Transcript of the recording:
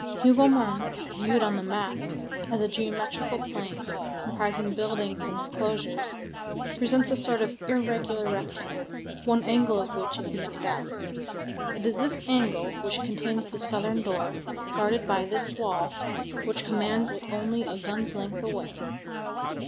Hougomont viewed on the map, as a geometrical plan, comprising buildings and enclosures, presents a sort of irregular rectangle, one angle of which is nicked out. It is this angle which contains the southern door, guarded by this wall, which commands it only a gun's length away.